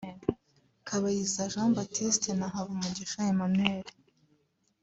Kabayiza Jean Baptsite na Hamubugisha Emmanuel